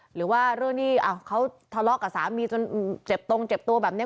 หรือว่าเรื่องที่เขาทะเลาะกับสามีจนเจ็บตรงเจ็บตัวแบบนี้